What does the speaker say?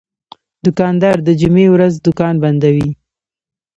دوکاندار د جمعې ورځ دوکان بندوي.